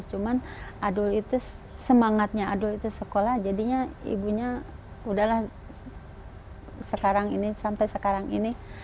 cuman adul itu semangatnya adul itu sekolah jadinya ibunya udahlah sekarang ini sampai sekarang ini